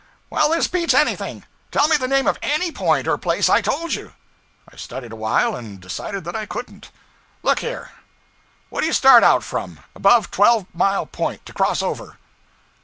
'Well, this beats anything. Tell me the name of _any _point or place I told you.' I studied a while and decided that I couldn't. 'Look here! What do you start out from, above Twelve Mile Point, to cross over?'